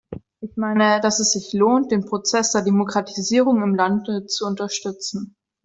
Ich meine, dass es sich lohnt, den Prozess der Demokratisierung im Lande zu unterstützen.